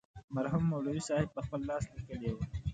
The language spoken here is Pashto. مرحوم مولوي صاحب پخپل لاس لیکلې وه.